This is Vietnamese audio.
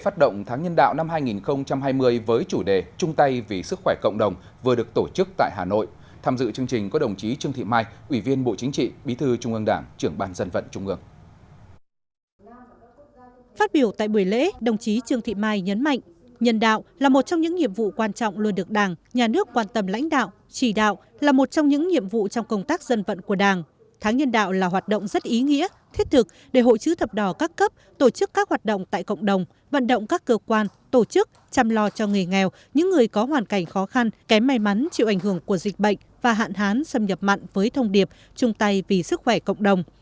tháng nhân đạo là hoạt động rất ý nghĩa thiết thực để hội chứ thập đỏ các cấp tổ chức các hoạt động tại cộng đồng vận động các cơ quan tổ chức chăm lo cho người nghèo những người có hoàn cảnh khó khăn kém may mắn chịu ảnh hưởng của dịch bệnh và hạn hán xâm nhập mặn với thông điệp chung tay vì sức khỏe cộng đồng